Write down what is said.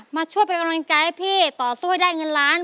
มาช่วยเป็นกำลังใจให้พี่ต่อสู้ให้ได้เงินล้าน